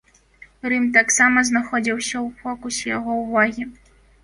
Рым таксама знаходзіўся ў фокусе яго ўвагі.